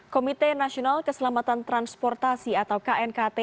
komite nasional keselamatan transportasi atau knkt